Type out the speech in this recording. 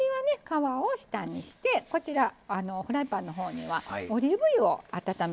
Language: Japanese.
皮を下にしてこちらフライパンのほうにはオリーブ油を温めてます